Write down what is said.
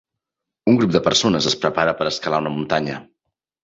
Un grup de persones es prepara per escalar una muntanya.